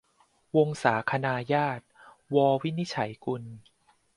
วงศาคณาญาติ - ว วินิจฉัยกุล